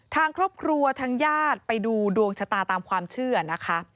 ทางครอบครัวทางญาติไปดูดวงชะตาตามความเชื่อนะคะ